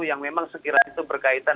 yang memang sekiranya itu berkaitan